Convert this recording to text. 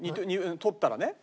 取ったらね。